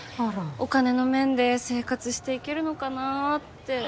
お金の面で生活していけるのかなって。